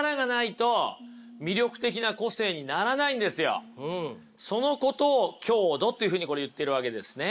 そもそもそのことを強度っていうふうにこれ言ってるわけですね。